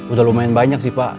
udah lumayan banyak sih pak